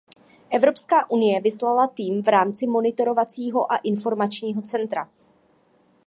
Evropská unie vyslala tým v rámci Monitorovacího a informačního centra.